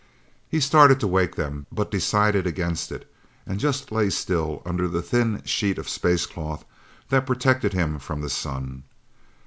He started to wake them, but decided against it and just lay still under the thin sheet of space cloth that protected him from the sun.